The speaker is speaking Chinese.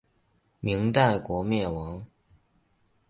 明代国灭亡。